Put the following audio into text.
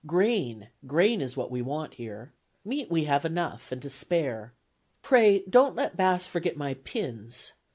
Grain, grain is what we want here. Meat we have enough, and to spare. Pray don't let Bass forget my pins.